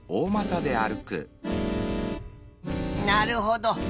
なるほど。